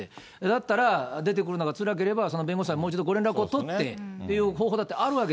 だったら、出てくるのがつらければ、その弁護士さんにもう一度連絡を取ってっていう方法だってあるわ